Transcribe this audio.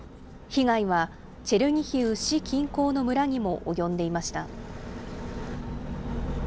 被害はチェルニヒウ市近郊の村にも及んでいました。